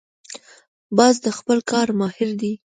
باز د خپل کار ماهر دی